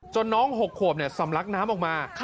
น้อง๖ขวบสำลักน้ำออกมา